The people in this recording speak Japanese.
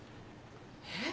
えっ？